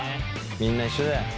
みんな一緒だよ。